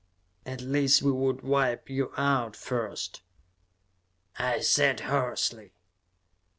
"At least, we would wipe you out first," I said hoarsely.